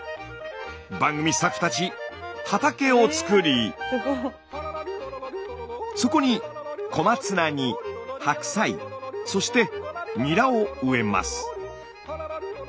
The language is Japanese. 番組スタッフたち畑をつくりそこに小松菜に白菜そしてニラを植えます。